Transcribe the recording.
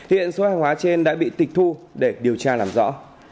hiện số hàng hóa trên đã bị tịch thu để điều tra làm rõ